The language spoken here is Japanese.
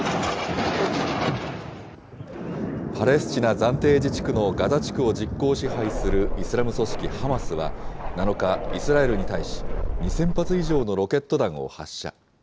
パレスチナ暫定自治区のガザ地区を実効支配するイスラム組織ハマスは、７日、イスラエルに対し、２０００発以上のロケット弾を発射。